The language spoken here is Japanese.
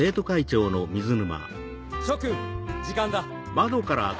諸君時間だ。